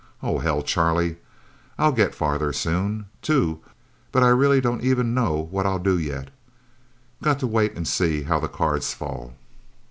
Oh, hell, Charlie I'll get farther, soon, too! But I really don't even know what I'll do, yet. Got to wait and see how the cards fall..."